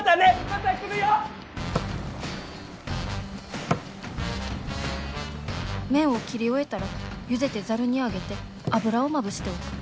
心の声麺を切り終えたらゆでてざるにあげて油をまぶしておく。